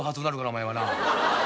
お前はな。